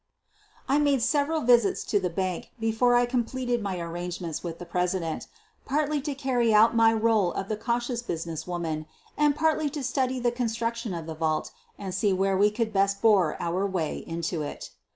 I made several visits to the bank before I com pleted my arrangements with the president — partly to carry out my role of the cautious business woman and partly to study the construction of the vault and see where we could best bore our way into it.